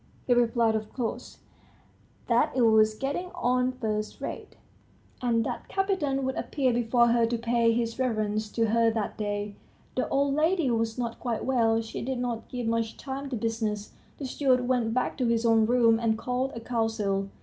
He replied, of course, that it was getting on first rate, and that Kapiton would appear before her to pay his reverence to her that day. The old lady was not quite well; she did not give much time to business. The steward went back to his own room, and called a council.